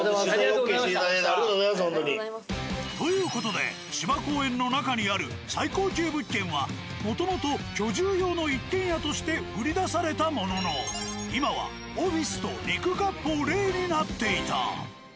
取材ＯＫしていただいてありがとうございますほんとに。という事で芝公園の中にある最高級物件はもともと居住用の一軒家として売り出されたものの今はオフィスと「肉割烹礼」になっていた。